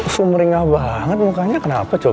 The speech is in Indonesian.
suh meringah banget mukanya kenapa coba